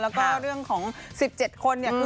แล้วก็เรื่องของ๑๗คนเนี่ย